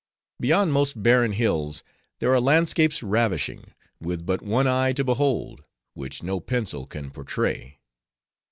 '—'Beyond most barren hills, there are landscapes ravishing; with but one eye to behold; which no pencil can portray.